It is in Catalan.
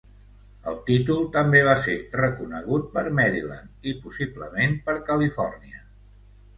El títol també va ser reconegut per Maryland i, possiblement, per Califòrnia.